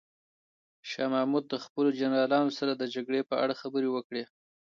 شاه محمود د خپلو جنرالانو سره د جګړې په اړه خبرې وکړې.